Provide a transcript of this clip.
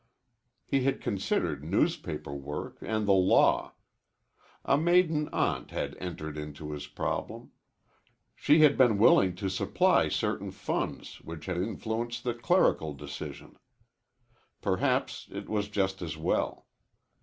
He had considered newspaper work and the law. A maiden aunt had entered into his problem. She had been willing to supply certain funds which had influenced the clerical decision. Perhaps it was just as well.